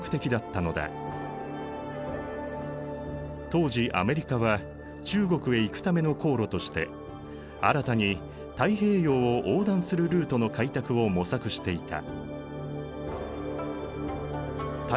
当時アメリカは中国へ行くための航路として新たに太平洋を横断するルートの開拓を模索していた。